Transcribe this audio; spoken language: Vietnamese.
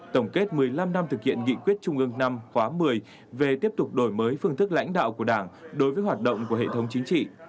tổng kết một mươi năm năm thực hiện nghị quyết trung ương năm khóa một mươi về tiếp tục đổi mới phương thức lãnh đạo của đảng đối với hoạt động của hệ thống chính trị